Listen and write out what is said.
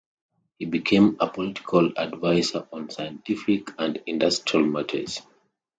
He became a political adviser on scientific and industrial matters.